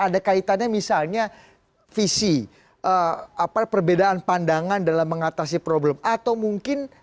ada kaitannya misalnya visi apa perbedaan pandangan dalam mengatasi problem atau mungkin